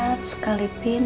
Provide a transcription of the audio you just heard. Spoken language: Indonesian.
rasanya berat sekali pin